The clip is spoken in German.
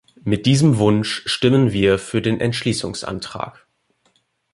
Mit diesem Wunsch stimmen wir für den Entschließungsantrag.